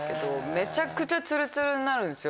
めちゃくちゃツルツルになるんですよ